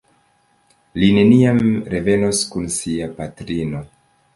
Li neniam revenos kun sia patrino.